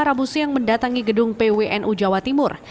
rabu siang mendatangi gedung pwnu jawa timur